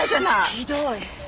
ひどい！